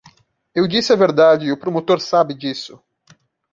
Eu disse a verdade e o promotor sabe disso.